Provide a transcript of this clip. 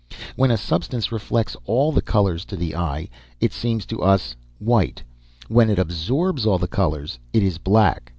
When a substance reflects all the colors to the eye, it seems to us white. When it absorbs all the colors, it is black.